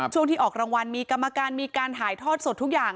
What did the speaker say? ช่วงที่ออกรางวัลมีกรรมการมีการถ่ายทอดสดทุกอย่าง